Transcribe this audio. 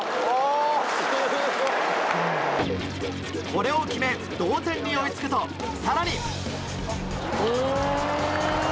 これを決め、同点に追いつくと更に。